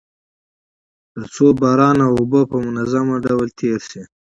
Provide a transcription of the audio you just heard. تر څو د باران اوبه په منظم ډول تيري سي.